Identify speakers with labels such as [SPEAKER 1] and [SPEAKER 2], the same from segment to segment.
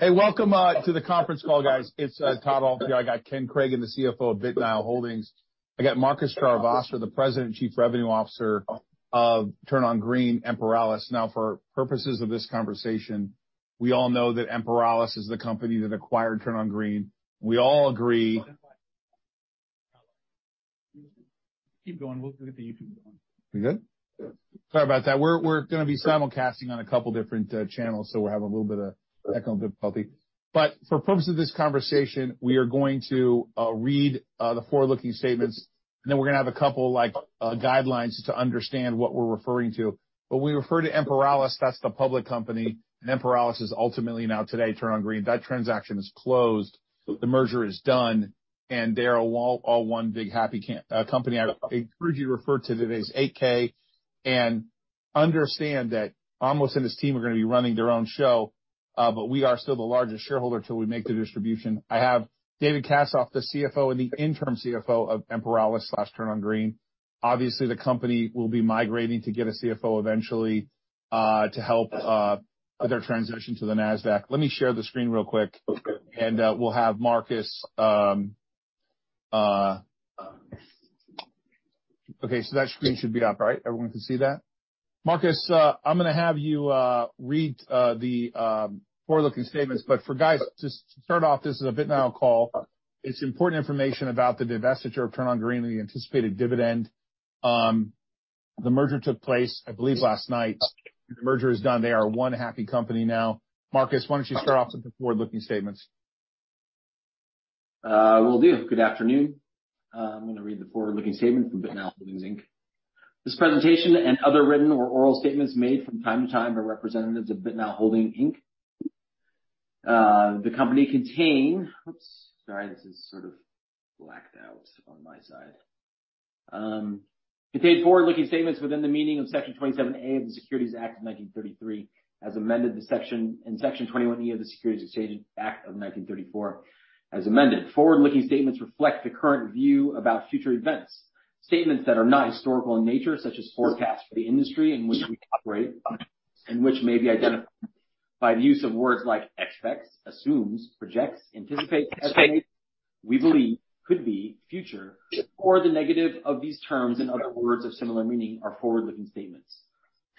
[SPEAKER 1] Hey, welcome to the conference call, guys. It's Todd over here. I got Ken Cragun, the CFO of BitNile Holdings. I got Marcus Charuvastra, the President and Chief Revenue Officer of TurnOnGreen Imperalis. Now, for purposes of this conversation, we all know that Imperalis is the company that acquired TurnOnGreen. We all agree.
[SPEAKER 2] Keep going. We'll get the YouTube going.
[SPEAKER 1] We good?
[SPEAKER 2] Yeah.
[SPEAKER 1] Sorry about that. We're gonna be simulcasting on a couple different channels, so we're having a little bit of echo. For purposes of this conversation, we are going to read the forward-looking statements, and then we're gonna have a couple of, like, guidelines to understand what we're referring to. When we refer to Imperalis, that's the public company, and Imperalis is ultimately now today TurnOnGreen. That transaction is closed, the merger is done, and they are all one big happy company. I would encourage you to refer to today's 8-K and understand that Amos and his team are gonna be running their own show, but we are still the largest shareholder till we make the distribution. I have David Katzoff, the CFO and the interim CFO of Imperalis/TurnOnGreen. Obviously, the company will be migrating to get a CFO eventually, to help with their transition to the Nasdaq. Let me share the screen real quick.
[SPEAKER 2] Okay.
[SPEAKER 1] We'll have Marcus. Okay, so that screen should be up, right? Everyone can see that? Marcus, I'm gonna have you read the forward-looking statements. For guys, just to start off, this is a BitNile call. It's important information about the divestiture of TurnOnGreen and the anticipated dividend. The merger took place, I believe, last night. The merger is done. They are one happy company now. Marcus, why don't you start off with the forward-looking statements?
[SPEAKER 2] Will do. Good afternoon. I'm gonna read the forward-looking statement from BitNile Holdings, Inc. This presentation and other written or oral statements made from time to time by representatives of BitNile Holdings, Inc, the company contain forward-looking statements within the meaning of Section 27A of the Securities Act of 1933, as amended, and Section 21E of the Securities Exchange Act of 1934, as amended. Forward-looking statements reflect the current view about future events. Statements that are not historical in nature such as forecasts for the industry in which we operate and which may be identified by the use of words like expects, assumes, projects, anticipates, estimate, we believe, could be future, or the negative of these terms and other words of similar meaning are forward-looking statements.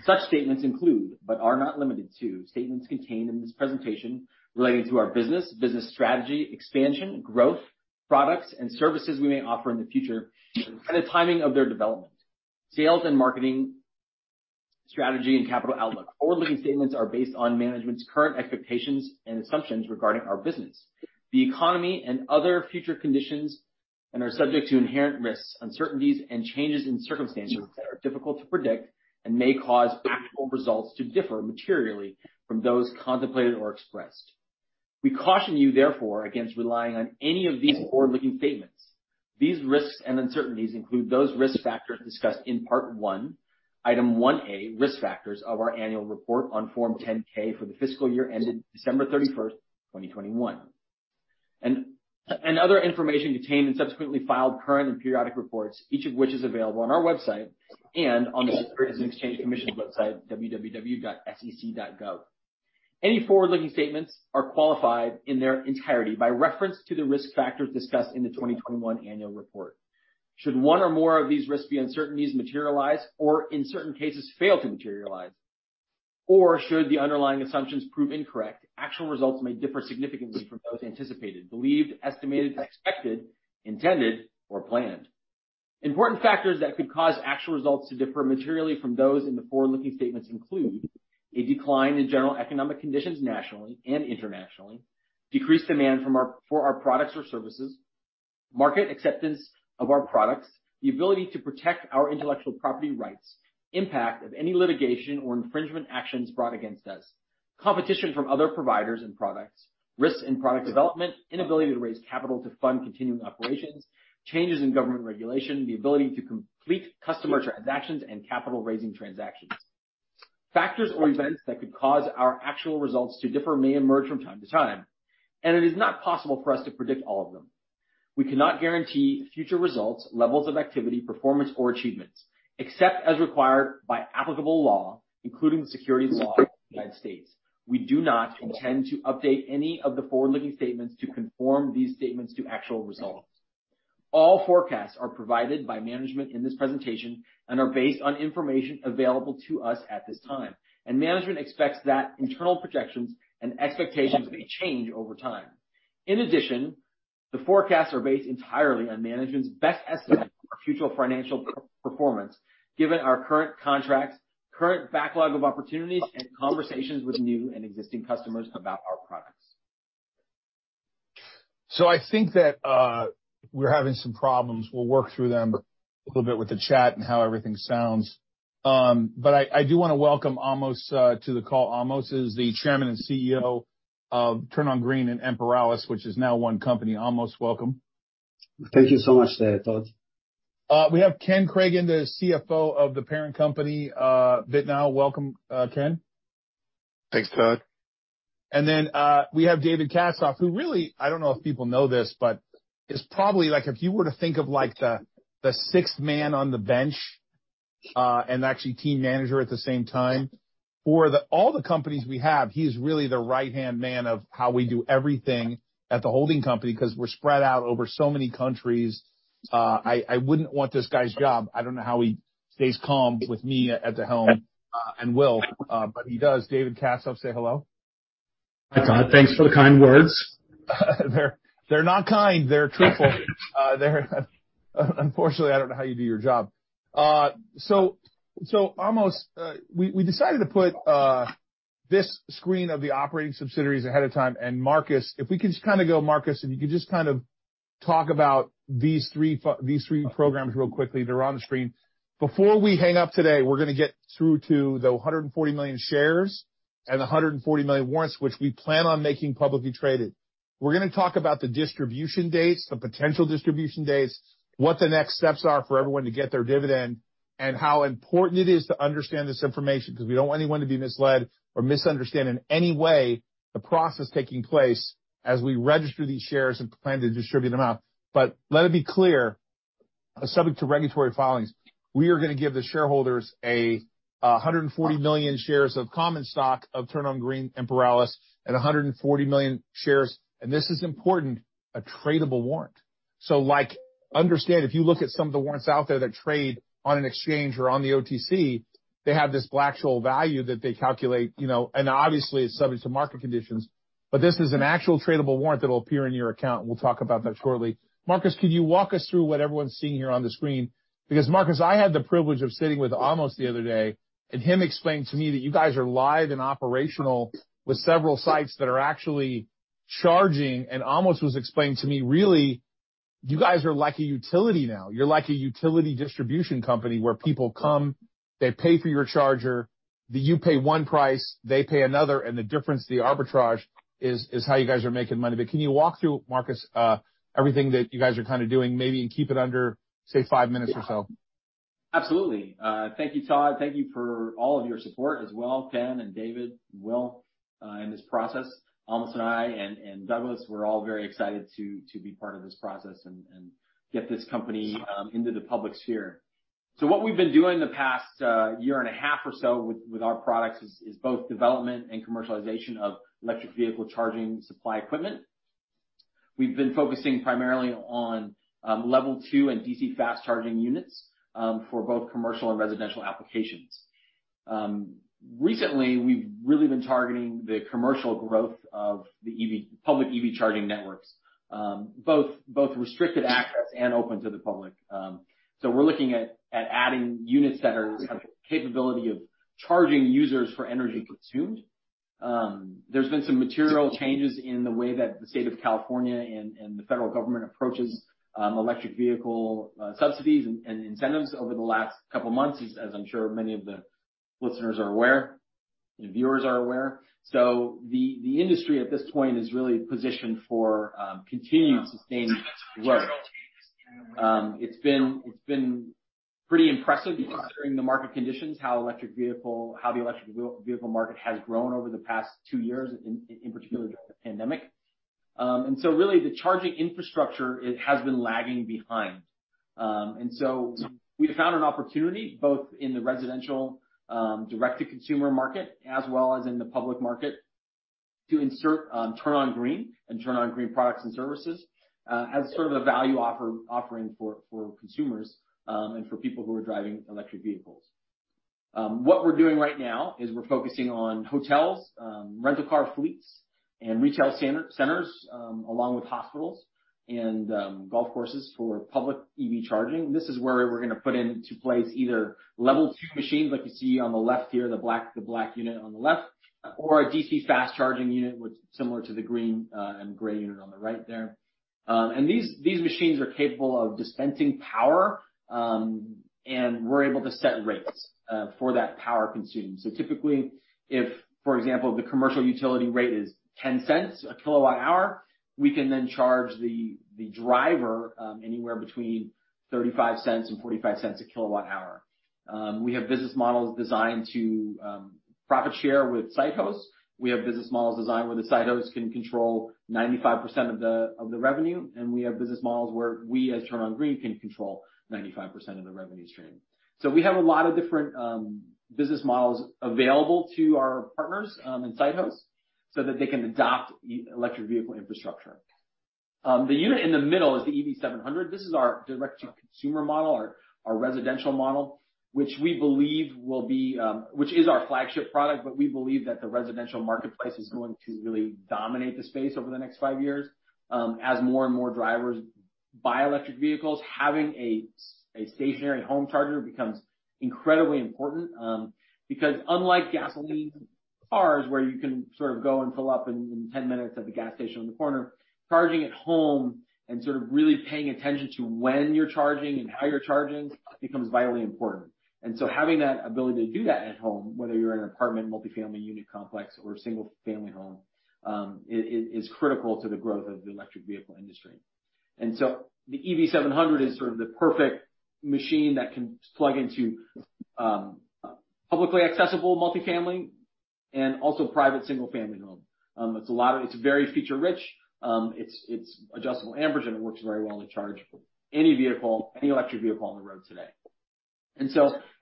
[SPEAKER 2] Such statements include, but are not limited to, statements contained in this presentation relating to our business strategy, expansion, growth, products and services we may offer in the future and the timing of their development, sales and marketing strategy, and capital outlook. Forward-looking statements are based on management's current expectations and assumptions regarding our business, the economy and other future conditions, and are subject to inherent risks, uncertainties, and changes in circumstances that are difficult to predict and may cause actual results to differ materially from those contemplated or expressed. We caution you, therefore, against relying on any of these forward-looking statements. These risks and uncertainties include those risk factors discussed in Part One, Item 1A, Risk Factors of our Annual Report on Form 10-K for the fiscal year ended December 31, 2021, and other information contained in subsequently filed current and periodic reports, each of which is available on our website and on the Securities and Exchange Commission website, www.sec.gov. Any forward-looking statements are qualified in their entirety by reference to the risk factors discussed in the 2021 annual report. Should one or more of these risks and uncertainties materialize, or in certain cases fail to materialize, or should the underlying assumptions prove incorrect, actual results may differ significantly from those anticipated, believed, estimated, expected, intended, or planned. Important factors that could cause actual results to differ materially from those in the forward-looking statements include a decline in general economic conditions nationally and internationally, decreased demand for our products or services, market acceptance of our products, the ability to protect our intellectual property rights, impact of any litigation or infringement actions brought against us, competition from other providers and products, risks in product development, inability to raise capital to fund continuing operations, changes in government regulation, the ability to complete customer transactions and capital-raising transactions. Factors or events that could cause our actual results to differ may emerge from time to time, and it is not possible for us to predict all of them. We cannot guarantee future results, levels of activity, performance or achievements. Except as required by applicable law, including the securities law of the United States, we do not intend to update any of the forward-looking statements to conform these statements to actual results. All forecasts are provided by management in this presentation and are based on information available to us at this time, and management expects that internal projections and expectations may change over time. In addition, the forecasts are based entirely on management's best estimate of future financial performance, given our current contracts, current backlog of opportunities, and conversations with new and existing customers about our products.
[SPEAKER 1] I think that we're having some problems. We'll work through them a little bit with the chat and how everything sounds. I do wanna welcome Amos to the call. Amos is the Chairman and CEO of TurnOnGreen and Imperalis, which is now one company. Amos, welcome.
[SPEAKER 3] Thank you so much there, Todd.
[SPEAKER 1] We have Ken Cragun, the CFO of the parent company, BitNile. Welcome, Ken.
[SPEAKER 4] Thanks, Todd.
[SPEAKER 1] And then we have David Katzoff, who really, I don't know if people know this, but is probably like if you were to think of, like, the sixth man on the bench, and actually team manager at the same time. For all the companies we have, he is really the right-hand man of how we do everything at the holding company, 'cause we're spread out over so many countries. I wouldn't want this guy's job. I don't know how he stays calm with me at the helm, and Will, but he does. David Katzoff, say hello.
[SPEAKER 5] Hi, Todd. Thanks for the kind words.
[SPEAKER 1] They're not kind, they're truthful. Unfortunately, I don't know how you do your job. Amos, we decided to put this screen of the operating subsidiaries ahead of time. Marcus, if you could just kind of talk about these three programs real quickly. They're on the screen. Before we hang up today, we're gonna get through to the $140 million shares and the $140 million warrants, which we plan on making publicly traded. We're gonna talk about the distribution dates, the potential distribution dates, what the next steps are for everyone to get their dividend, and how important it is to understand this information, because we don't want anyone to be misled or misunderstand in any way the process taking place as we register these shares and plan to distribute them out. Let it be clear, subject to regulatory filings, we are gonna give the shareholders a $140 million shares of common stock of TurnOnGreen and Imperalis, a $140 million shares, and this is important, a tradable warrant. Like, understand, if you look at some of the warrants out there that trade on an exchange or on the OTC, they have this Black-Scholes value that they calculate, you know, and obviously it's subject to market conditions. This is an actual tradable warrant that will appear in your account. We'll talk about that shortly. Marcus, could you walk us through what everyone's seeing here on the screen? Because Marcus, I had the privilege of sitting with Amos the other day, and him explained to me that you guys are live and operational with several sites that are actually charging, and Amos was explaining to me, really, you guys are like a utility now. You're like a utility distribution company where people come, they pay for your charger, that you pay one price, they pay another, and the difference, the arbitrage is how you guys are making money. Can you walk through, Marcus, everything that you guys are kinda doing, maybe, and keep it under, say, 5 minutes or so?
[SPEAKER 2] Yeah. Absolutely. Thank you, Todd. Thank you for all of your support as well, Ken and David, Will, in this process. Amos and I and Douglas, we're all very excited to be part of this process and get this company into the public sphere. What we've been doing the past year and a half or so with our products is both development and commercialization of electric vehicle charging supply equipment. We've been focusing primarily on Level 2 and DC fast charging units for both commercial and residential applications. Recently, we've really been targeting the commercial growth of the public EV charging networks, both restricted access and open to the public. We're looking at adding units that have the capability of charging users for energy consumed. There's been some material changes in the way that the state of California and the federal government approaches electric vehicle subsidies and incentives over the last couple of months, as I'm sure many of the listeners are aware and viewers are aware. The industry at this point is really positioned for continued sustained growth. It's been pretty impressive considering the market conditions, how the electric vehicle market has grown over the past two years, in particular during the pandemic. Really the charging infrastructure, it has been lagging behind. We found an opportunity both in the residential, direct-to-consumer market as well as in the public market to insert TurnOnGreen and TurnOnGreen products and services, as sort of a value offering for consumers and for people who are driving electric vehicles. What we're doing right now is we're focusing on hotels, rental car fleets, and retail centers, along with hospitals and golf courses for public EV charging. This is where we're gonna put into place either Level 2 machines, like you see on the left here, the black unit on the left, or a DC fast charging unit, which similar to the green and gray unit on the right there. These machines are capable of dispensing power, and we're able to set rates for that power consumed. Typically, if, for example, the commercial utility rate is $0.10/kWh, we can then charge the driver anywhere between $0.35 and $0.45/kWh. We have business models designed to profit share with site hosts. We have business models designed where the site hosts can control 95% of the revenue, and we have business models where we as TurnOnGreen can control 95% of the revenue stream. We have a lot of different business models available to our partners and site hosts so that they can adopt electric vehicle infrastructure. The unit in the middle is the EV700. This is our direct-to-consumer model, our residential model, which is our flagship product, but we believe that the residential marketplace is going to really dominate the space over the next five years. As more and more drivers buy electric vehicles, having a stationary home charger becomes incredibly important, because unlike gasoline cars, where you can sort of go and fill up in 10 minutes at the gas station on the corner, charging at home and sort of really paying attention to when you're charging and how you're charging becomes vitally important. Having that ability to do that at home, whether you're in an apartment, multi-family unit complex or a single-family home, is critical to the growth of the electric vehicle industry. The EV700 is sort of the perfect machine that can plug into publicly accessible multifamily, and also private single-family home. It's very feature-rich. It's adjustable amperage, and it works very well to charge any vehicle, any electric vehicle on the road today.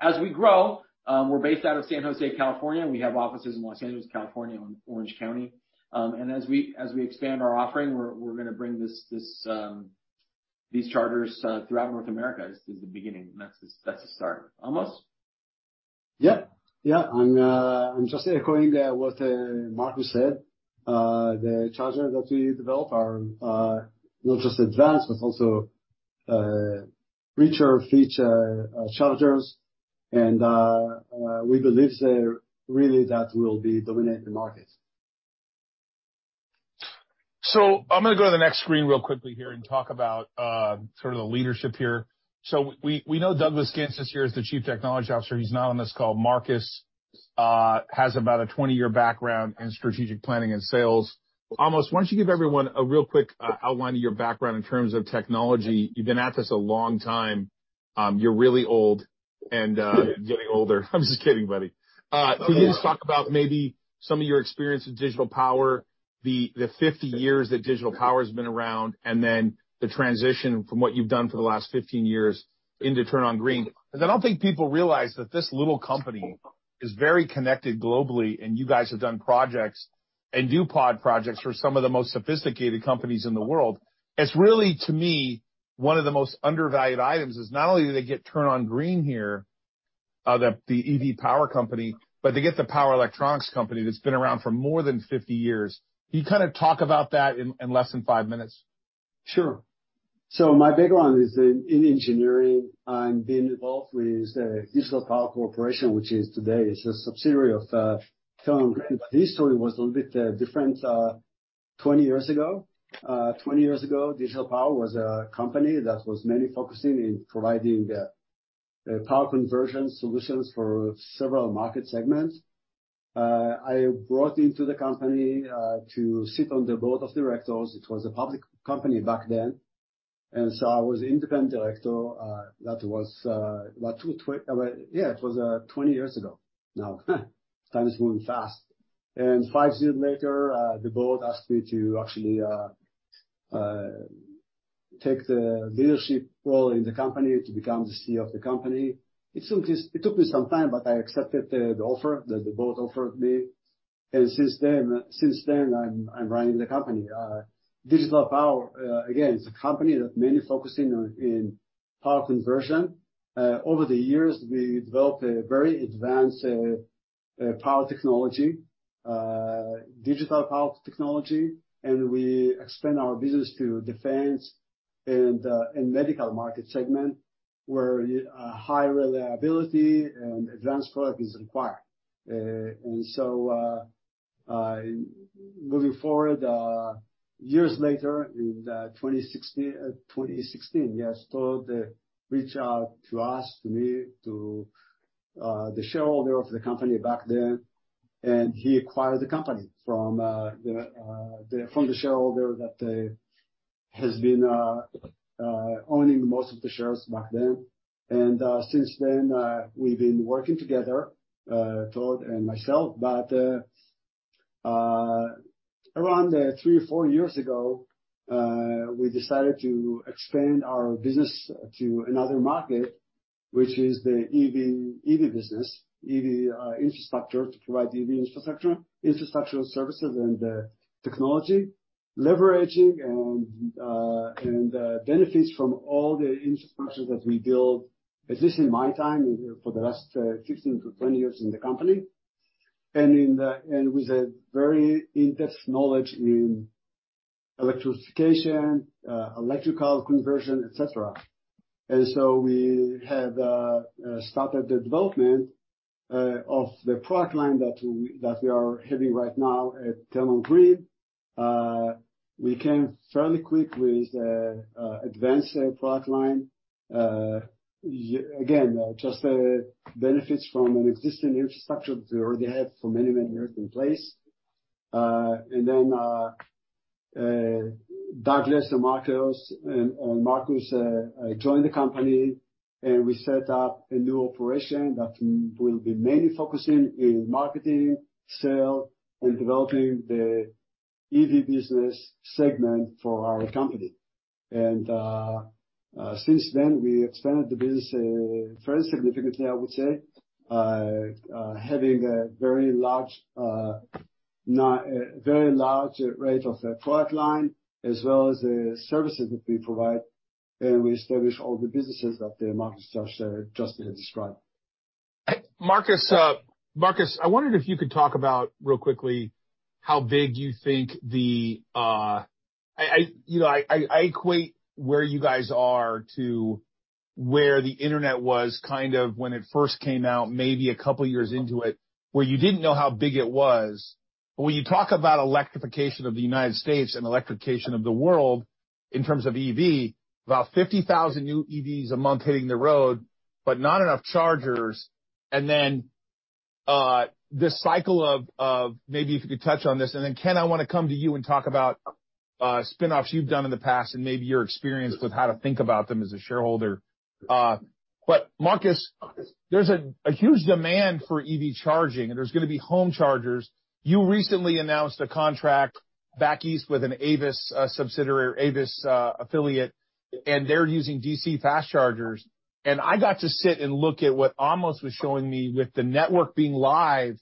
[SPEAKER 2] As we grow, we're based out of San Jose, California. We have offices in Los Angeles, California, in Orange County. As we expand our offering, we're gonna bring these chargers throughout North America. This is the beginning. That's the start. Amos?
[SPEAKER 3] I'm just echoing what Marcus said. The chargers that we develop are not just advanced, but also richer feature chargers. We believe really that will be dominating the market.
[SPEAKER 1] I'm gonna go to the next screen real quickly here and talk about sort of the leadership here. We know Douglas Gintz here is the Chief Technology Officer. He's not on this call. Marcus has about a 20-year background in strategic planning and sales. Amos, why don't you give everyone a real quick outline of your background in terms of technology? You've been at this a long time. You're really old and getting older. I'm just kidding, buddy. Could you just talk about maybe some of your experience with Digital Power, the 50 years that Digital Power's been around, and then the transition from what you've done for the last 15 years into TurnOnGreen? Because I don't think people realize that this little company is very connected globally, and you guys have done projects and do pod projects for some of the most sophisticated companies in the world. It's really, to me, one of the most undervalued items is not only do they get TurnOnGreen here, the EV power company, but they get the power electronics company that's been around for more than 50 years. Can you kind of talk about that in less than 5 minutes?
[SPEAKER 3] Sure. My background is in engineering and being involved with Digital Power Corporation, which today is a subsidiary of TurnOnGreen. History was a little bit different 20 years ago. 20 years ago, Digital Power was a company that was mainly focusing on providing power conversion solutions for several market segments. I brought into the company to sit on the board of directors. It was a public company back then. I was independent director. That was about 20 years ago now. Time is moving fast. Five years later, the board asked me to actually take the leadership role in the company to become the CEO of the company. It took me some time, but I accepted the offer that the board offered me. Since then I'm running the company. Digital Power, again, is a company that mainly focusing on power conversion. Over the years, we developed a very advanced power technology, digital power technology, and we expand our business to defense and medical market segment, where high reliability and advanced product is required. Moving forward, years later in 2016, yes, Milton Ault reached out to us, to me, to the shareholder of the company back then, and he acquired the company from the shareholder that has been owning most of the shares back then. Since then, we've been working together, Todd and myself. Around three or four years ago, we decided to expand our business to another market, which is the EV business, EV infrastructure to provide EV infrastructure, infrastructural services and technology, leveraging benefits from all the infrastructures that we built during my time for the last 16 to 20 years in the company. With a very in-depth knowledge in electrification, electrical conversion, et cetera, we started the development of the product line that we are having right now at TurnOnGreen. We came fairly quick with advanced product line. Again, just benefits from an existing infrastructure that we already had for many, many years in place. Douglas and Marcus joined the company, and we set up a new operation that will be mainly focusing in marketing, sales, and developing the EV business segment for our company. Since then, we expanded the business very significantly, I would say, having a very large range of product line as well as the services that we provide, and we establish all the businesses that Marcus just described.
[SPEAKER 1] Marcus, I wondered if you could talk about real quickly how big you think the, you know, I equate where you guys are to where the Internet was kind of when it first came out, maybe a couple of years into it, where you didn't know how big it was. When you talk about electrification of the United States and electrification of the world in terms of EV, about 50,000 new EVs a month hitting the road, but not enough chargers. Then this cycle of maybe if you could touch on this, and then, Ken, I wanna come to you and talk about spin-offs you've done in the past and maybe your experience with how to think about them as a shareholder. But Marcus, there's a huge demand for EV charging, and there's gonna be home chargers. You recently announced a contract back east with an Avis, subsidiary, or Avis, affiliate, and they're using DC fast chargers. I got to sit and look at what Amos was showing me with the network being live.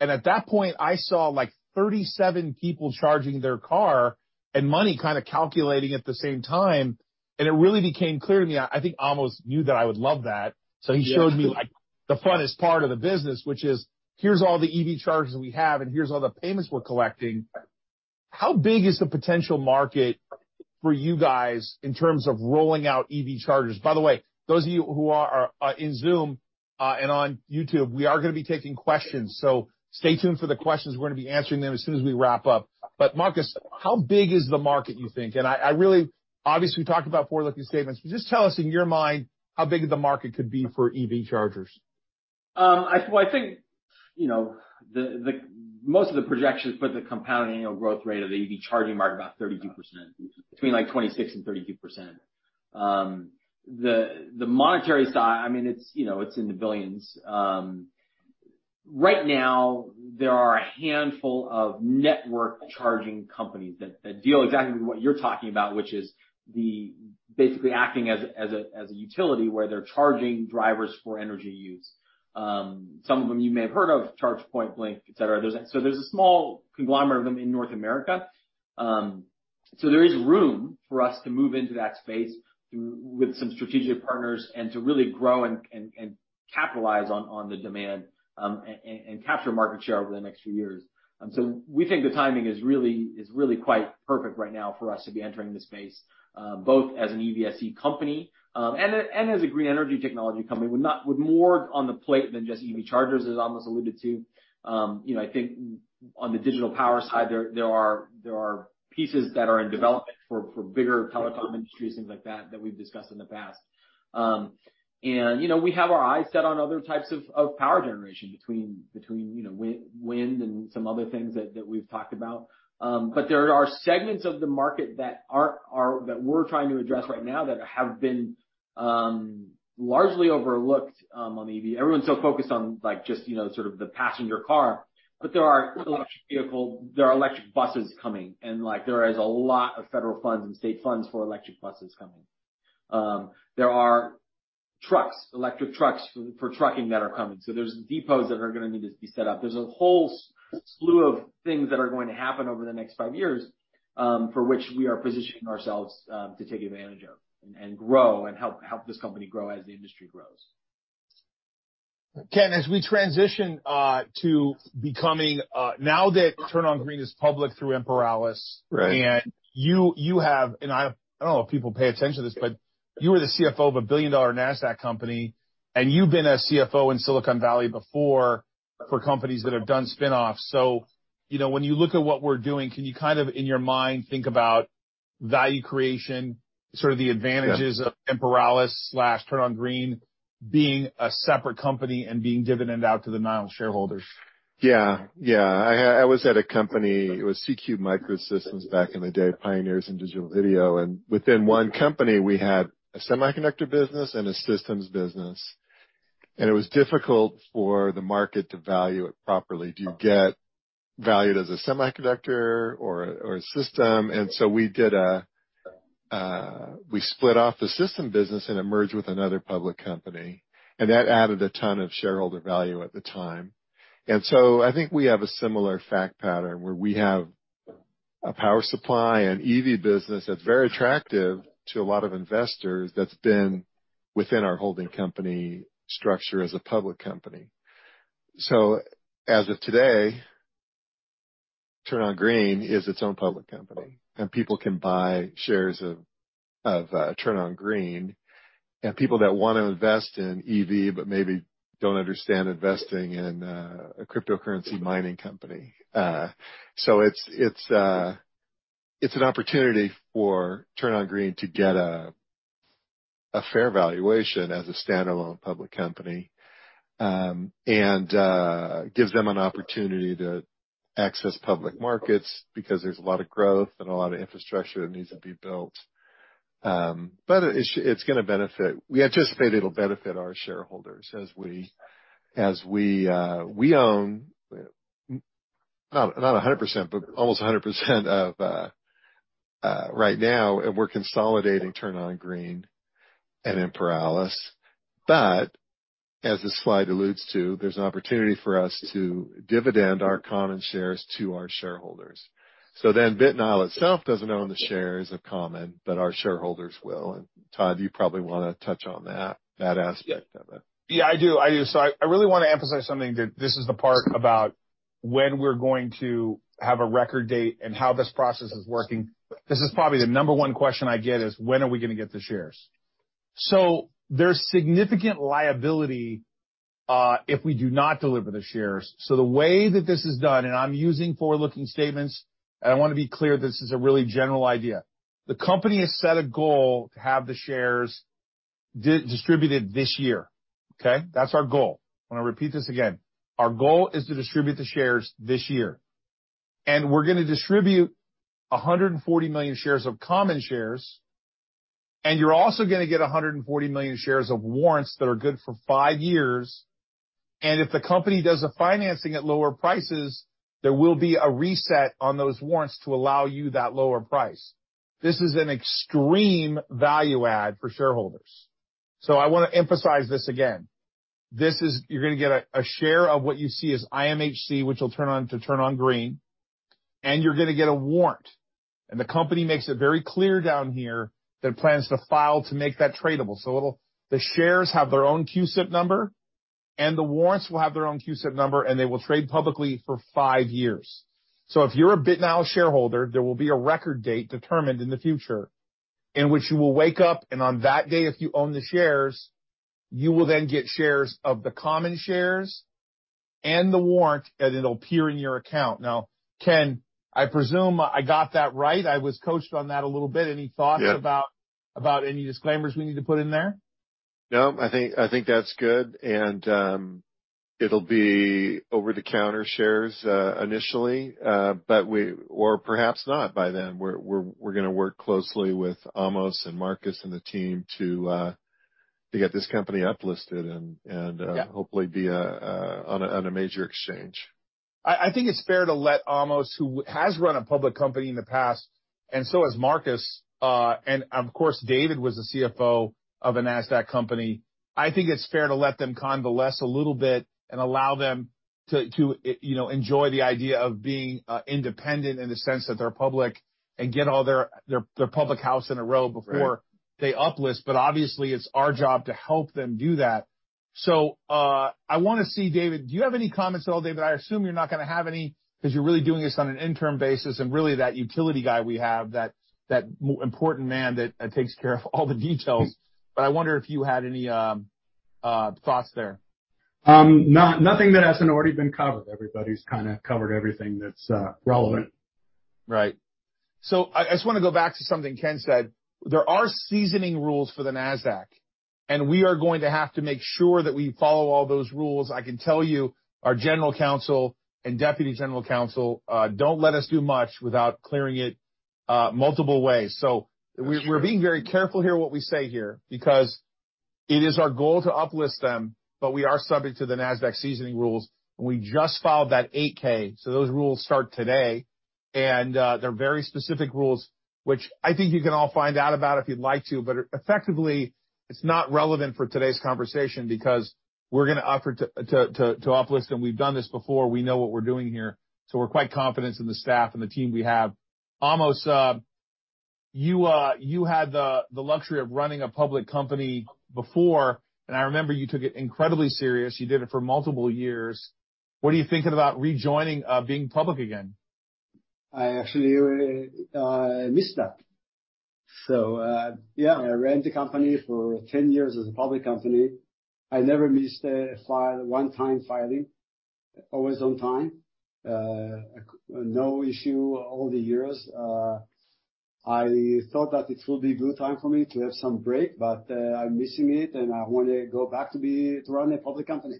[SPEAKER 1] At that point, I saw, like, 37 people charging their car and money kinda calculating at the same time. It really became clear to me, I think Amos knew that I would love that, so he showed me, like, the funnest part of the business, which is, "Here's all the EV chargers we have and here's all the payments we're collecting." How big is the potential market for you guys in terms of rolling out EV chargers? By the way, those of you who are, in Zoom, and on YouTube, we are gonna be taking questions, so stay tuned for the questions. We're gonna be answering them as soon as we wrap up. Marcus, how big is the market, you think? I really, obviously we talked about forward-looking statements, but just tell us in your mind how big the market could be for EV chargers.
[SPEAKER 2] Well, I think, you know, most of the projections put the compounding annual growth rate of the EV charging market about 32%, between, like, 26%-32%. The monetary side, I mean, it's, you know, it's in the billions. Right now there are a handful of network charging companies that deal exactly with what you're talking about, which is basically acting as a utility where they're charging drivers for energy use. Some of them you may have heard of, ChargePoint, Blink, et cetera. There's a small conglomerate of them in North America. There is room for us to move into that space with some strategic partners and to really grow and capitalize on the demand and capture market share over the next few years. We think the timing is really quite perfect right now for us to be entering the space, both as an EVSE company and as a green energy technology company. We're more on the plate than just EV chargers, as Amos alluded to. You know, I think on the Digital Power side there are pieces that are in development for bigger telecom industries, things like that we've discussed in the past. You know, we have our eyes set on other types of power generation between wind and some other things that we've talked about. There are segments of the market that we're trying to address right now that have been largely overlooked on EV. Everyone's so focused on, like, just, you know, sort of the passenger car. There are electric vehicle, there are electric buses coming, and, like, there is a lot of federal funds and state funds for electric buses coming. There are trucks, electric trucks for trucking that are coming, so there's depots that are gonna need to be set up. There's a whole slew of things that are going to happen over the next five years, for which we are positioning ourselves, to take advantage of and grow and help this company grow as the industry grows.
[SPEAKER 1] Ken, as we transition to becoming now that TurnOnGreen is public through Imperalis.
[SPEAKER 4] Right.
[SPEAKER 1] You have, and I don't know if people pay attention to this, but you were the CFO of a billion-dollar Nasdaq company, and you've been a CFO in Silicon Valley before for companies that have done spin-offs. You know, when you look at what we're doing, can you kind of in your mind think about value creation, sort of the advantages?
[SPEAKER 4] Yeah.
[SPEAKER 1] Of Imperalis/TurnOnGreen being a separate company and being dividend out to the Nile shareholders?
[SPEAKER 4] Yeah. I was at a company, it was C-Cube Microsystems back in the day, pioneers in digital video. Within one company we had a semiconductor business and a systems business, and it was difficult for the market to value it properly. Do you get valued as a semiconductor or a system? We split off the system business and it merged with another public company, and that added a ton of shareholder value at the time. I think we have a similar fact pattern where we have a power supply and EV business that's very attractive to a lot of investors that's been within our holding company structure as a public company. As of today, TurnOnGreen is its own public company, and people can buy shares of TurnOnGreen, and people that wanna invest in EV but maybe don't understand investing in a cryptocurrency mining company. It's an opportunity for TurnOnGreen to get a fair valuation as a standalone public company, and gives them an opportunity to access public markets because there's a lot of growth and a lot of infrastructure that needs to be built. But it's gonna benefit. We anticipate it'll benefit our shareholders as we own not a 100%, but almost a 100% of it right now, and we're consolidating TurnOnGreen and Imperalis. As the slide alludes to, there's an opportunity for us to dividend our common shares to our shareholders. BitNile itself doesn't own the shares of common, but our shareholders will. Todd, you probably wanna touch on that aspect of it.
[SPEAKER 1] Yeah, I do. I really wanna emphasize something that this is the part about when we're going to have a record date and how this process is working. This is probably the number one question I get is, "When are we gonna get the shares?" There's significant liability if we do not deliver the shares. The way that this is done, and I'm using forward-looking statements, and I wanna be clear, this is a really general idea. The company has set a goal to have the shares distributed this year. Okay? That's our goal. I'm gonna repeat this again. Our goal is to distribute the shares this year, and we're gonna distribute 140 million shares of common shares, and you're also gonna get 140 million shares of warrants that are good for five years. If the company does the financing at lower prices, there will be a reset on those warrants to allow you that lower price. This is an extreme value add for shareholders. I wanna emphasize this again. This is. You're gonna get a share of what you see as IMHC, which will turn into TurnOnGreen, and you're gonna get a warrant. The company makes it very clear down here that it plans to file to make that tradable. It will, the shares have their own CUSIP number, and the warrants will have their own CUSIP number, and they will trade publicly for five years. If you're a BitNile shareholder, there will be a record date determined in the future in which you will wake up, and on that day, if you own the shares, you will then get shares of the common shares and the warrant, and it'll appear in your account. Now, Ken, I presume I got that right. I was coached on that a little bit. Any thoughts?
[SPEAKER 4] Yeah.
[SPEAKER 1] About any disclaimers we need to put in there?
[SPEAKER 4] No, I think that's good. It'll be over-the-counter shares initially, but or perhaps not by then. We're gonna work closely with Amos and Marcus and the team to get this company uplisted and
[SPEAKER 1] Yeah.
[SPEAKER 4] Hopefully be on a major exchange.
[SPEAKER 1] I think it's fair to let Amos, who has run a public company in the past, and so has Marcus, and of course, David was the CFO of a Nasdaq company. I think it's fair to let them consolidate a little bit and allow them to, you know, enjoy the idea of being independent in the sense that they're public and get all their ducks in a row before.
[SPEAKER 4] Right.
[SPEAKER 1] They uplist. Obviously, it's our job to help them do that. I wanna see, David. Do you have any comments at all, David? I assume you're not gonna have any 'cause you're really doing this on an interim basis, and really that utility guy we have, that important man that takes care of all the details. I wonder if you had any thoughts there.
[SPEAKER 5] Nothing that hasn't already been covered. Everybody's kinda covered everything that's relevant.
[SPEAKER 1] Right. I just wanna go back to something Ken said. There are seasoning rules for the Nasdaq, and we are going to have to make sure that we follow all those rules. I can tell you, our general counsel and deputy general counsel don't let us do much without clearing it multiple ways. We're being very careful here what we say here because it is our goal to uplist them, but we are subject to the Nasdaq seasoning rules. We just filed that 8-K, so those rules start today. They're very specific rules which I think you can all find out about if you'd like to. Effectively, it's not relevant for today's conversation because we're gonna offer to uplist them. We've done this before. We know what we're doing here. We're quite confident in the staff and the team we have. Amos, you had the luxury of running a public company before, and I remember you took it incredibly serious. You did it for multiple years. What are you thinking about rejoining being public again?
[SPEAKER 3] I actually missed that. Yeah, I ran the company for 10 years as a public company. I never missed a filing, one-time filing, always on time. No issue all the years. I thought that it will be good time for me to have some break, but I'm missing it, and I wanna go back to run a public company.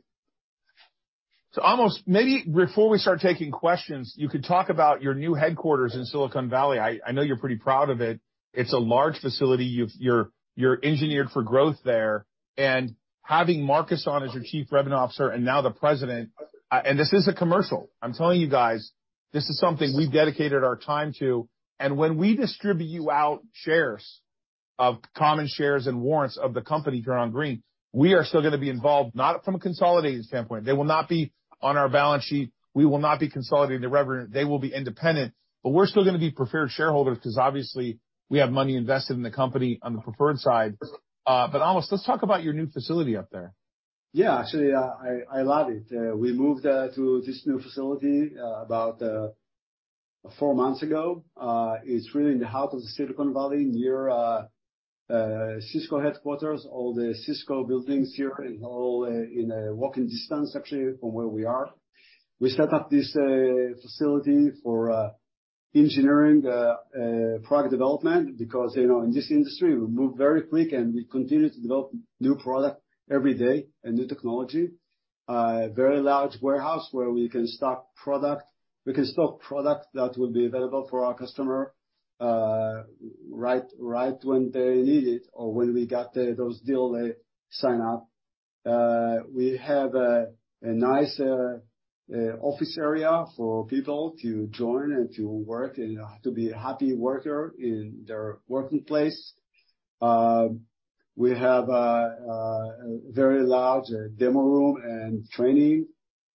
[SPEAKER 1] Amos, maybe before we start taking questions, you could talk about your new headquarters in Silicon Valley. I know you're pretty proud of it. It's a large facility. You're engineered for growth there. Having Marcus on as your Chief Revenue Officer and now the President, this is a commercial. I'm telling you guys, this is something we've dedicated our time to. When we distribute to you shares of common shares and warrants of the company TurnOnGreen, we are still gonna be involved, not from a consolidated standpoint. They will not be on our balance sheet. We will not be consolidating the revenue. They will be independent. We're still gonna be preferred shareholders 'cause obviously we have money invested in the company on the preferred side. Amos, let's talk about your new facility up there.
[SPEAKER 3] Yeah, actually, I love it. We moved to this new facility about four months ago. It's really in the heart of the Silicon Valley near Cisco headquarters. All the Cisco buildings here are all in walking distance, actually from where we are. We set up this facility for engineering product development because, you know, in this industry we move very quick and we continue to develop new product every day and new technology. Very large warehouse where we can stock product. We can stock product that will be available for our customer right when they need it or when we got those deal they sign up. We have a nice office area for people to join and to work and to be happy worker in their working place. We have a very large demo room and training.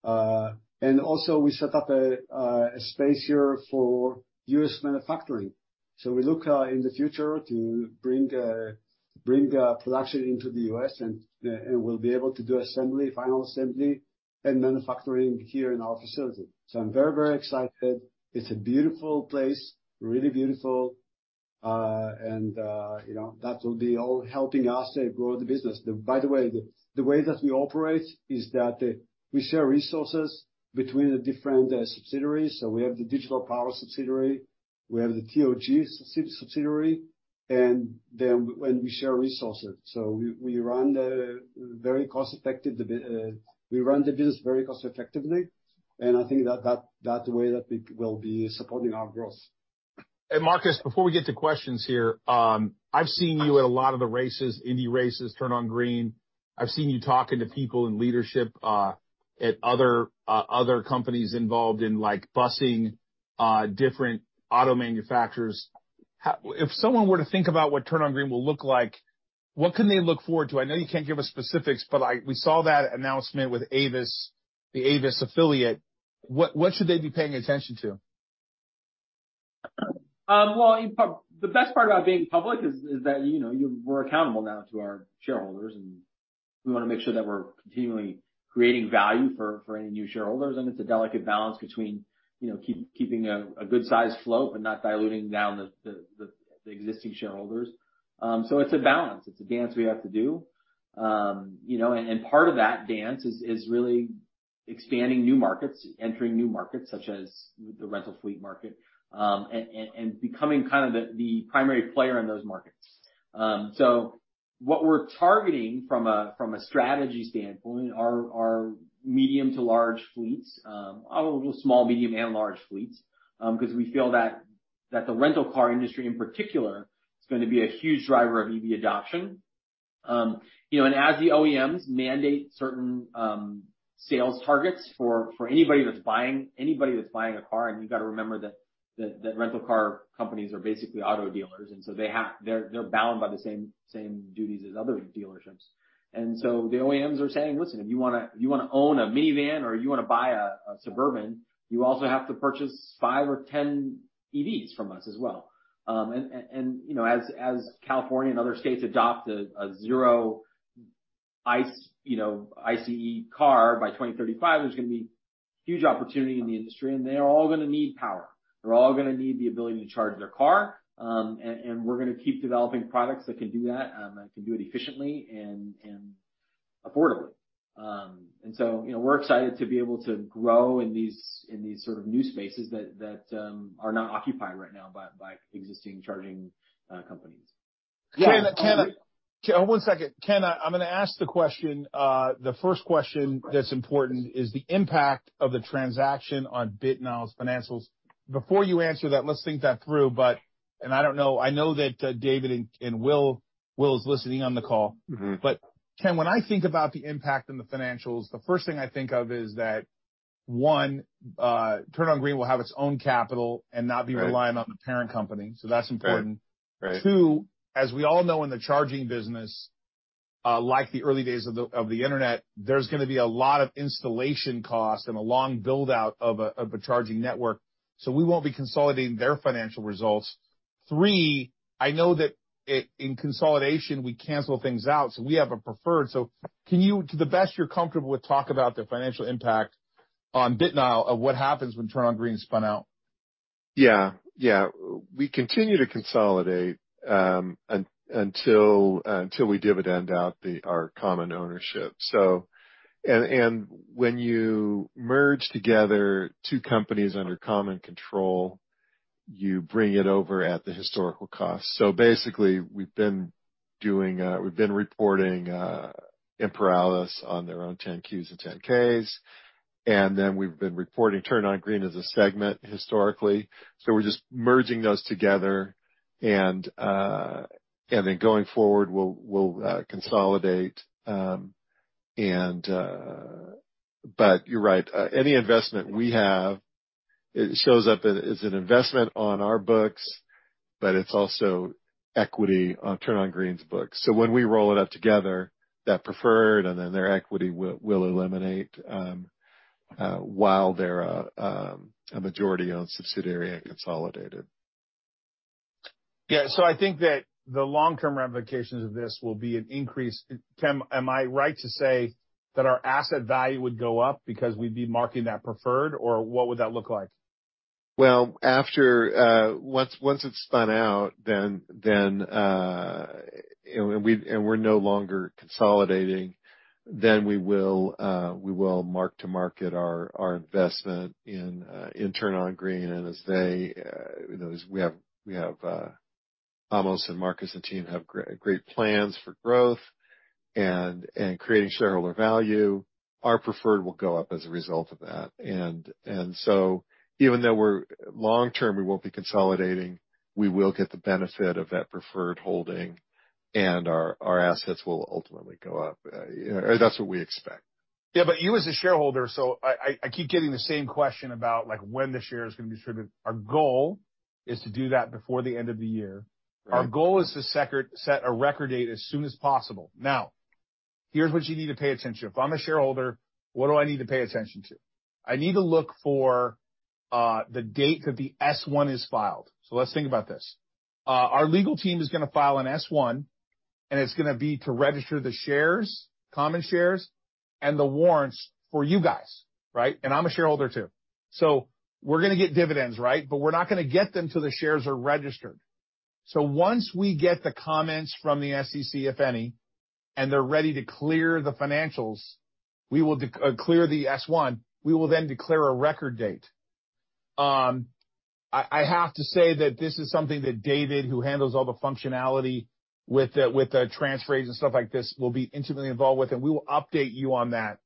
[SPEAKER 3] We set up a space here for U.S. manufacturing. We look in the future to bring production into the U.S., and we'll be able to do assembly, final assembly and manufacturing here in our facility. I'm very excited. It's a beautiful place, really beautiful. You know, that will be all helping us to grow the business. By the way, the way that we operate is that we share resources between the different subsidiaries. We have the Digital Power subsidiary. We have the TOG subsidiary and then when we share resources. We run the business very cost-effectively, and I think that's the way that we will be supporting our growth.
[SPEAKER 1] Marcus, before we get to questions here, I've seen you at a lot of the races, Indy races, TurnOnGreen. I've seen you talking to people in leadership at other companies involved in, like, busing, different auto manufacturers. If someone were to think about what TurnOnGreen will look like, what can they look forward to? I know you can't give us specifics, but, like, we saw that announcement with Avis, the Avis affiliate. What should they be paying attention to?
[SPEAKER 2] Well, you know, the best part about being public is that, you know, we're accountable now to our shareholders, and we wanna make sure that we're continually creating value for any new shareholders. It's a delicate balance between, you know, keeping a good-sized float and not diluting down the existing shareholders. So it's a balance. It's a dance we have to do. You know, part of that dance is really expanding new markets, entering new markets such as the rental fleet market, and becoming kind of the primary player in those markets. What we're targeting from a strategy standpoint are medium to large fleets, although small, medium, and large fleets, 'cause we feel that the rental car industry in particular is gonna be a huge driver of EV adoption. You know, as the OEMs mandate certain sales targets for anybody that's buying a car, and you've got to remember that rental car companies are basically auto dealers, and so they have, they're bound by the same duties as other dealerships. The OEMs are saying, "Listen, if you wanna own a minivan or you wanna buy a Suburban, you also have to purchase five or 10 EVs from us as well." You know, as California and other states adopt a zero ICE, you know, ICE car by 2035, there's gonna be huge opportunity in the industry. They're all gonna need power. They're all gonna need the ability to charge their car. We're gonna keep developing products that can do that can do it efficiently and affordably. You know, we're excited to be able to grow in these sort of new spaces that are not occupied right now by existing charging companies.
[SPEAKER 1] Ken, one second. Ken, I'm gonna ask the question, the first question that's important is the impact of the transaction on BitNile's financials. Before you answer that, let's think that through. I don't know. I know that David and Will is listening on the call.
[SPEAKER 4] Mm-hmm.
[SPEAKER 1] Ken, when I think about the impact on the financials, the first thing I think of is that, one, TurnOnGreen will have its own capital and not be relying on the parent company, so that's important.
[SPEAKER 4] Right. Right.
[SPEAKER 1] Two, as we all know, in the charging business, like the early days of the internet, there's gonna be a lot of installation costs and a long build-out of a charging network. We won't be consolidating their financial results. Three, I know that in consolidation, we cancel things out, so we have a preferred. Can you, to the best you're comfortable with, talk about the financial impact on BitNile of what happens when TurnOnGreen is spun out?
[SPEAKER 4] Yeah. Yeah. We continue to consolidate until we dividend out our common ownership. When you merge together two companies under common control, you bring it over at the historical cost. Basically, we've been doing. We've been reporting Imperalis as on their own 10-Qs and 10-Ks, and then we've been reporting TurnOnGreen as a segment historically. We're just merging those together. Going forward, we'll consolidate. You're right, any investment we have, it shows up as an investment on our books, but it's also equity on TurnOnGreen's books. When we roll it up together, that preferred and then their equity will eliminate while they're a majority-owned subsidiary and consolidated.
[SPEAKER 1] Yeah. I think that the long-term ramifications of this will be an increase. Ken, am I right to say that our asset value would go up because we'd be marking that preferred, or what would that look like?
[SPEAKER 4] Well, after once it's spun out, then and we're no longer consolidating, then we will mark to market our investment in TurnOnGreen. As they, you know, as we have Amos and Marcus, the team have great plans for growth and creating shareholder value. Our preferred will go up as a result of that. Even though long term, we won't be consolidating, we will get the benefit of that preferred holding, and our assets will ultimately go up. You know, or that's what we expect.
[SPEAKER 1] Yeah. You as a shareholder, so I keep getting the same question about, like, when the shares are gonna be distributed. Our goal is to do that before the end of the year.
[SPEAKER 4] Right.
[SPEAKER 1] Our goal is to set a record date as soon as possible. Now, here's what you need to pay attention. If I'm a shareholder, what do I need to pay attention to? I need to look for the date that the S-1 is filed. Let's think about this. Our legal team is gonna file an S-1, and it's gonna be to register the shares, common shares, and the warrants for you guys, right? I'm a shareholder too. We're gonna get dividends, right? We're not gonna get them till the shares are registered. Once we get the comments from the SEC, if any. They're ready to clear the financials. We will clear the S-1. We will then declare a record date. I have to say that this is something that David, who handles all the functionality with the transfer agent, stuff like this, will be intimately involved with, and we will update you on that.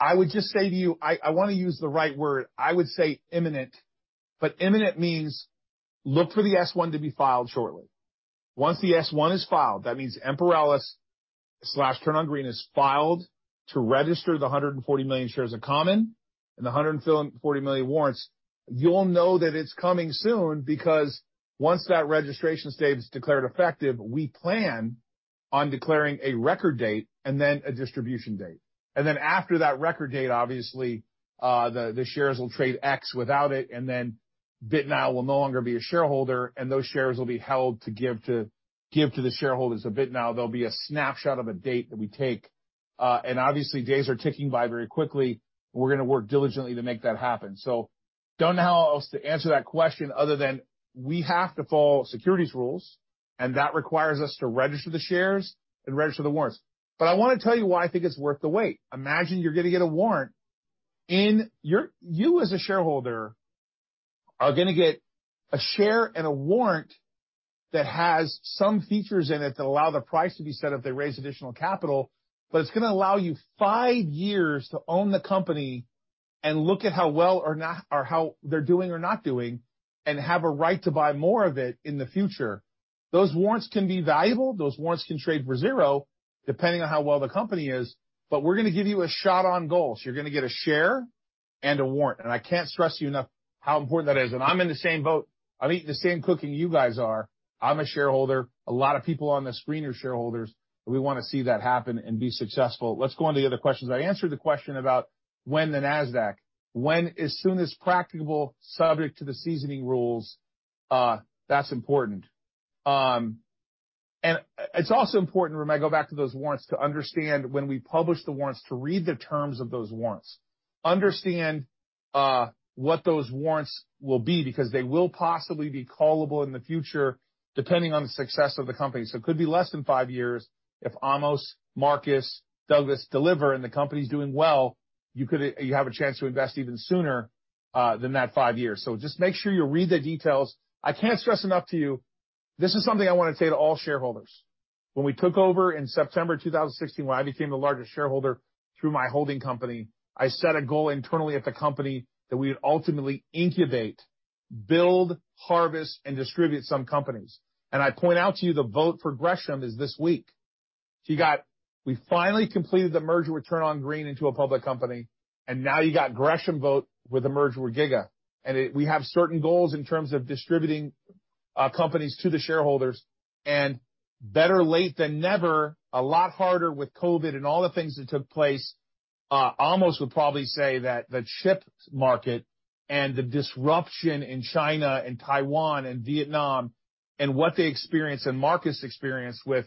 [SPEAKER 1] I would just say to you, I wanna use the right word. I would say imminent, but imminent means look for the S-1 to be filed shortly. Once the S-1 is filed, that means Imperalis / TurnOnGreen is filed to register the $140 million common shares and the $140 million warrants. You'll know that it's coming soon, because once that registration statement's declared effective, we plan on declaring a record date and then a distribution date. After that record date, obviously, the shares will trade ex without it, and then BitNile will no longer be a shareholder, and those shares will be held to give to the shareholders of BitNile. There'll be a snapshot of a date that we take. Obviously days are ticking by very quickly. We're gonna work diligently to make that happen. Don't know how else to answer that question other than, we have to follow securities rules, and that requires us to register the shares and register the warrants. But I wanna tell you why I think it's worth the wait. Imagine you're gonna get a warrant. You as a shareholder are gonna get a share and a warrant that has some features in it that allow the price to be set up. They raise additional capital, but it's gonna allow you five years to own the company and look at how well or not, or how they're doing or not doing, and have a right to buy more of it in the future. Those warrants can be valuable. Those warrants can trade for zero, depending on how well the company is. We're gonna give you a shot on goal. You're gonna get a share and a warrant. I can't stress to you enough how important that is. I'm in the same boat. I'm eating the same cookie you guys are. I'm a shareholder. A lot of people on this screen are shareholders, and we wanna see that happen and be successful. Let's go on to the other questions. I answered the question about when the Nasdaq. As soon as practicable, subject to the seasoning rules, that's important. It's also important when I go back to those warrants to understand when we publish the warrants to read the terms of those warrants. Understand what those warrants will be, because they will possibly be callable in the future depending on the success of the company. It could be less than five years if Amos, Marcus, Douglas deliver and the company's doing well, you have a chance to invest even sooner than that five years. Just make sure you read the details. I can't stress enough to you, this is something I wanna say to all shareholders. When we took over in September 2016, when I became the largest shareholder through my holding company, I set a goal internally at the company that we would ultimately incubate, build, harvest, and distribute some companies. I point out to you the vote for Gresham is this week. We finally completed the merger with TurnOnGreen into a public company, and now you got Gresham vote with the merger with Giga-tronics. We have certain goals in terms of distributing companies to the shareholders. Better late than never, a lot harder with COVID and all the things that took place. Amos would probably say that the shipping market and the disruption in China and Taiwan and Vietnam and what they experienced and Marcus experienced with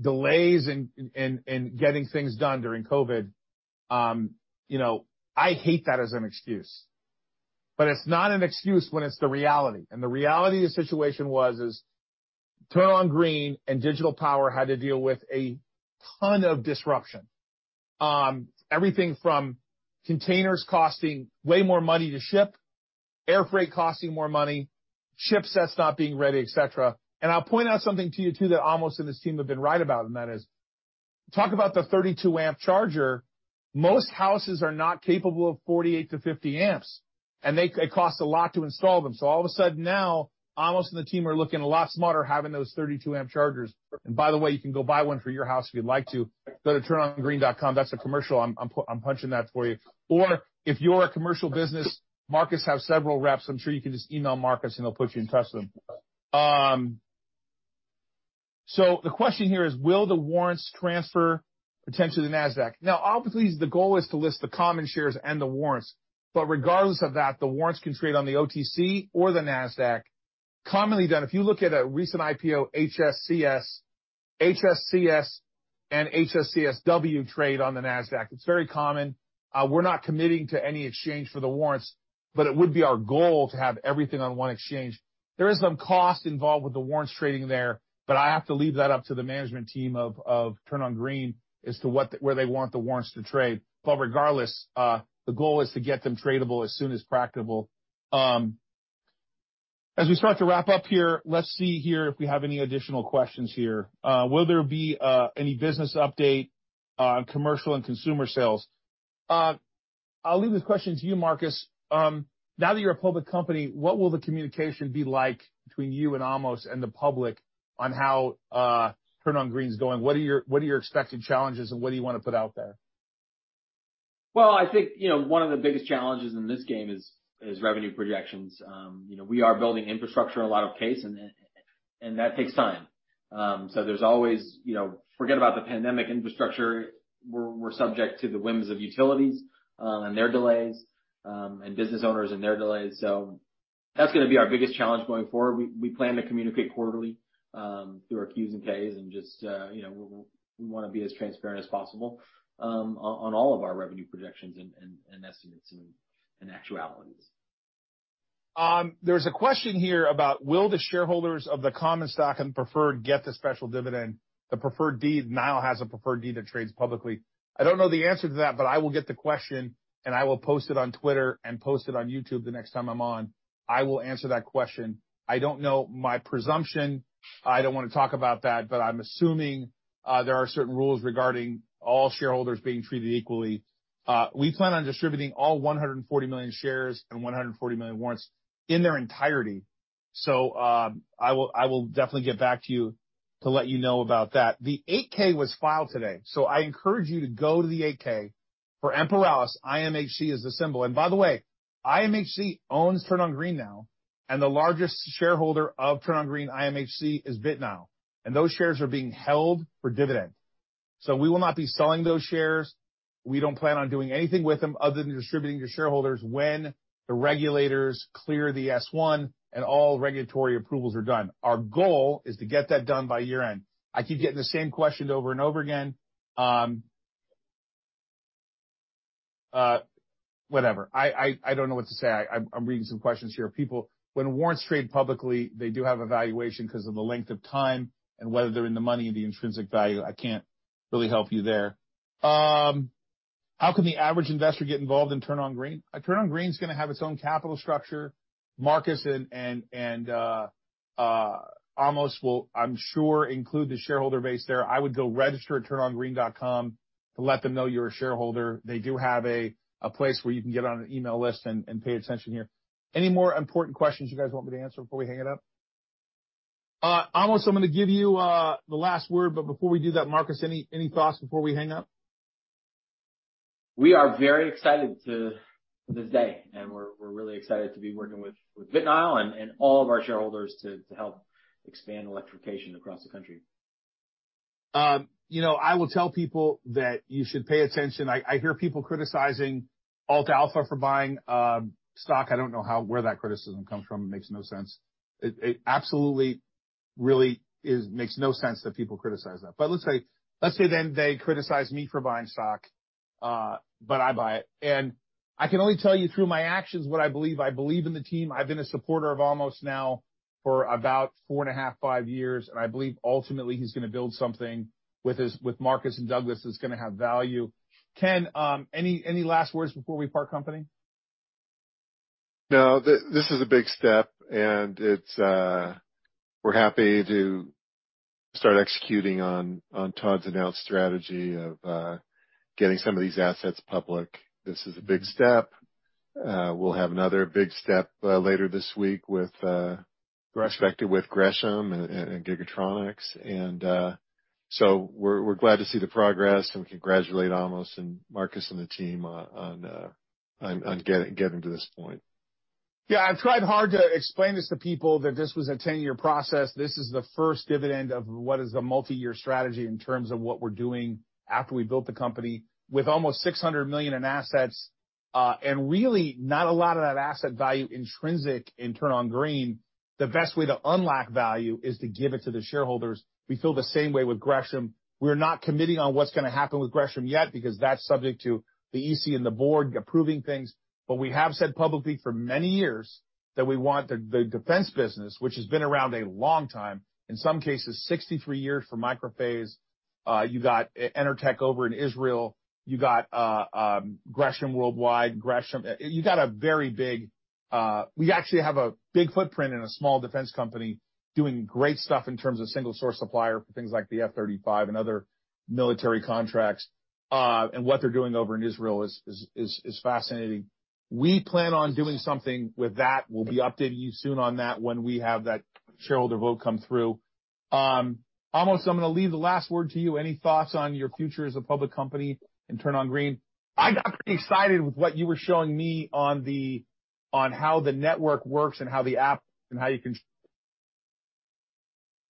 [SPEAKER 1] delays in getting things done during COVID. You know, I hate that as an excuse. It's not an excuse when it's the reality. The reality of the situation was TurnOnGreen and Digital Power had to deal with a ton of disruption. Everything from containers costing way more money to ship, air freight costing more money, ship sets not being ready, etc. I'll point out something to you, too, that Amos and his team have been right about, and that is, talk about the 32-amp charger. Most houses are not capable of 48-50 amps, and it costs a lot to install them. All of a sudden now, Amos and the team are looking a lot smarter having those 32-amp chargers. By the way, you can go buy one for your house if you'd like to. Go to TurnOnGreen.com. That's a commercial. I'm punching that for you. If you're a commercial business, Marcus has several reps. I'm sure you can just email Marcus, and he'll put you in touch with them. The question here is, will the warrants transfer potentially to Nasdaq? Now, obviously, the goal is to list the common shares and the warrants. Regardless of that, the warrants can trade on the OTC or the Nasdaq. Commonly done. If you look at a recent IPO, HSCS and HSCSW trade on the Nasdaq. It's very common. We're not committing to any exchange for the warrants, but it would be our goal to have everything on one exchange. There is some cost involved with the warrants trading there, but I have to leave that up to the management team of TurnOnGreen as to where they want the warrants to trade. Regardless, the goal is to get them tradable as soon as practicable. As we start to wrap up here, let's see here if we have any additional questions here. Will there be any business update on commercial and consumer sales? I'll leave this question to you, Marcus. Now that you're a public company, what will the communication be like between you and Amos and the public on how TurnOnGreen is going? What are your expected challenges, and what do you wanna put out there?
[SPEAKER 2] Well, I think, you know, one of the biggest challenges in this game is revenue projections. You know, we are building infrastructure in a lot of cases, and that takes time. There's always, you know, forget about the pandemic infrastructure. We're subject to the whims of utilities, and their delays, and business owners and their delays. That's gonna be our biggest challenge going forward. We plan to communicate quarterly, through our Qs and Ks and just, you know, we wanna be as transparent as possible, on all of our revenue projections and estimates and actualities.
[SPEAKER 1] There's a question here about will the shareholders of the common stock and preferred get the special dividend? The preferred, indeed, BitNile has a preferred, indeed, that trades publicly. I don't know the answer to that, but I will get the question, and I will post it on Twitter and post it on YouTube the next time I'm on. I will answer that question. I don't know. My presumption. I don't wanna talk about that, but I'm assuming there are certain rules regarding all shareholders being treated equally. We plan on distributing all $140 million shares and $140 million warrants in their entirety. I will definitely get back to you to let you know about that. The 8-K was filed today, so I encourage you to go to the 8-K. For Imperalis, IMHC is the symbol. By the way, IMHC owns TurnOnGreen now, and the largest shareholder of TurnOnGreen IMHC is BitNile. Those shares are being held for dividend. We will not be selling those shares. We don't plan on doing anything with them other than distributing to shareholders when the regulators clear the S-1 and all regulatory approvals are done. Our goal is to get that done by year-end. I keep getting the same question over and over again. Whatever. I don't know what to say. I'm reading some questions here. When warrants trade publicly, they do have a valuation 'cause of the length of time and whether they're in the money and the intrinsic value. I can't really help you there. How can the average investor get involved in TurnOnGreen? TurnOnGreen's gonna have its own capital structure. Marcus and Amos will, I'm sure, include the shareholder base there. I would go register at TurnOnGreen.com to let them know you're a shareholder. They do have a place where you can get on an email list and pay attention here. Any more important questions you guys want me to answer before we hang it up? Amos, I'm gonna give you the last word, but before we do that, Marcus, any thoughts before we hang up?
[SPEAKER 2] We are very excited for this day, and we're really excited to be working with BitNile and all of our shareholders to help expand electrification across the country.
[SPEAKER 1] You know, I will tell people that you should pay attention. I hear people criticizing Ault Alpha for buying stock. I don't know where that criticism comes from. It makes no sense. It absolutely really makes no sense that people criticize that. Let's say then they criticize me for buying stock, but I buy it. I can only tell you through my actions what I believe. I believe in the team. I've been a supporter of Amos now for about 4.5 years, and I believe ultimately he's gonna build something with Marcus and Douglas that's gonna have value. Ken, any last words before we part company?
[SPEAKER 4] No, this is a big step, and it's. We're happy to start executing on Todd's announced strategy of getting some of these assets public. This is a big step. We'll have another big step later this week with respect to Gresham and Giga-tronics. We're glad to see the progress and congratulate Amos and Marcus and the team on getting to this point.
[SPEAKER 1] Yeah. I've tried hard to explain this to people that this was a ten-year process. This is the first dividend of what is a multi-year strategy in terms of what we're doing after we built the company. With almost $600 million in assets, and really not a lot of that asset value intrinsic in TurnOnGreen, the best way to unlock value is to give it to the shareholders. We feel the same way with Gresham. We're not committing on what's gonna happen with Gresham yet because that's subject to the SEC and the board approving things. But we have said publicly for many years that we want the defense business, which has been around a long time, in some cases 63 years for Microphase. You got Enertec over in Israel. You got Gresham Worldwide. You got a very big, We actually have a big footprint in a small defense company doing great stuff in terms of single source supplier for things like the F-35 and other military contracts. What they're doing over in Israel is fascinating. We plan on doing something with that. We'll be updating you soon on that when we have that shareholder vote come through. Amos, I'm gonna leave the last word to you. Any thoughts on your future as a public company in TurnOnGreen? I got pretty excited with what you were showing me on how the network works and how the app, and how you can.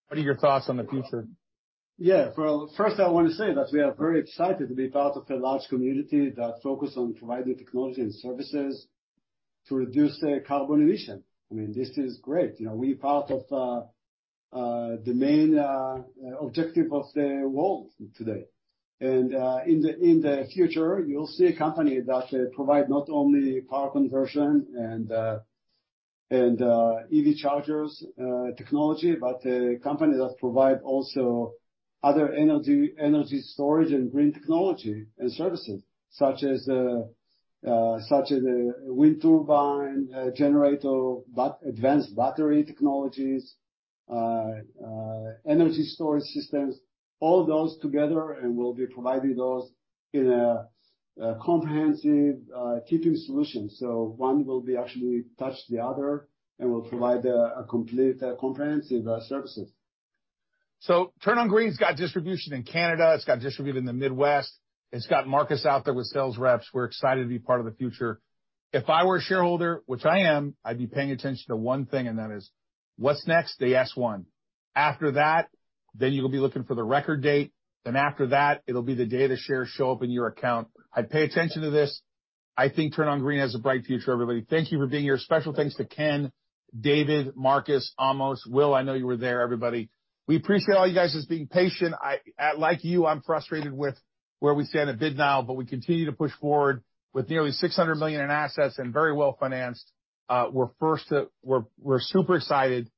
[SPEAKER 1] What are your thoughts on the future?
[SPEAKER 3] Yeah. Well, first I want to say that we are very excited to be part of a large community that focus on providing technology and services to reduce the carbon emission. I mean, this is great. You know, we're part of the main objective of the world today. In the future, you'll see a company that provide not only power conversion and EV chargers technology, but a company that provide also other energy storage and green technology and services, such as a wind turbine, a generator, advanced battery technologies, energy storage systems, all those together, and we'll be providing those in a comprehensive turnkey solution. One will be actually touch the other, and we'll provide a complete comprehensive services.
[SPEAKER 1] TurnOnGreen's got distribution in Canada, it's got distribution in the Midwest, it's got Marcus out there with sales reps. We're excited to be part of the future. If I were a shareholder, which I am, I'd be paying attention to one thing, and that is what's next? The S-1. After that, then you'll be looking for the record date. Then after that, it'll be the day the shares show up in your account. I'd pay attention to this. I think TurnOnGreen has a bright future, everybody. Thank you for being here. Special thanks to Ken, David, Marcus, Amos. Will, I know you were there, everybody. We appreciate all you guys as being patient. I, like you, I'm frustrated with where we stand at BitNile, but we continue to push forward. With nearly $600 million in assets and very well-financed, we're super excited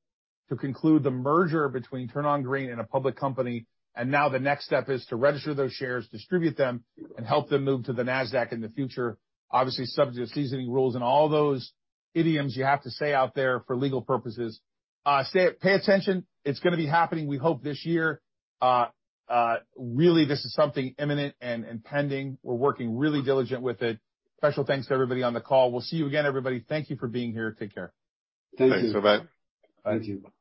[SPEAKER 1] to conclude the merger between TurnOnGreen and a public company, and now the next step is to register those shares, distribute them, and help them move to the Nasdaq in the future. Obviously, subject to seasoning rules and all those idioms you have to say out there for legal purposes. Pay attention. It's gonna be happening, we hope, this year. Really, this is something imminent and pending. We're working really diligent with it. Special thanks to everybody on the call. We'll see you again, everybody. Thank you for being here. Take care.
[SPEAKER 3] Thank you.
[SPEAKER 4] Thanks. Bye-bye.
[SPEAKER 3] Thank you.